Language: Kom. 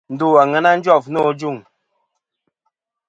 Ndo àŋena jof nô ajuŋ.